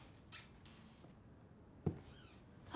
あ。